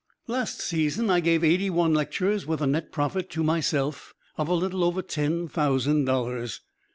Last season I gave eighty one lectures, with a net profit to myself of a little over ten thousand dollars.